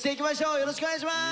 よろしくお願いします！